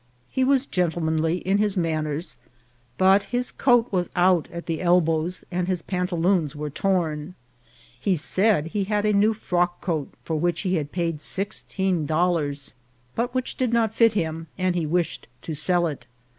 He was gentlemanly in his manners, but his coat was out at the elbows, and his pantaloons were torn. He said he had a new frock coat, for which he had paid sixteen dollars, but which did not fit him, and he wished to sell it.